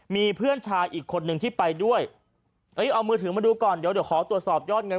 มีเพื่อนชายอีกคนนึงที่ไปด้วยเอ้ยเอามือถือมาดูก่อนเดี๋ยวเดี๋ยวขอตรวจสอบยอดเงิน